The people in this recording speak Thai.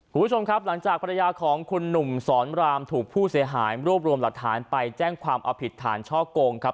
คุณผู้ชมครับหลังจากภรรยาของคุณหนุ่มสอนรามถูกผู้เสียหายรวบรวมหลักฐานไปแจ้งความเอาผิดฐานช่อโกงครับ